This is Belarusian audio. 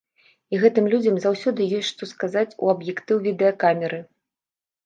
І гэтым людзям заўсёды ёсць што сказаць у аб'ектыў відэакамеры.